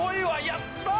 やったー！